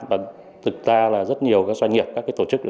và thực ra là rất nhiều các doanh nghiệp các tổ chức